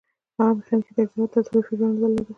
هغه میخانیکي تجهیزات تصادفي بڼه درلوده